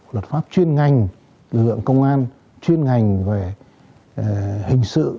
luật pháp chuyên ngành lực lượng công an chuyên ngành về hình sự